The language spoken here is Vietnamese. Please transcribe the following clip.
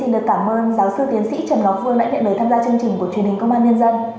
đã nhận lời tham gia chương trình của truyền hình công an nhân dân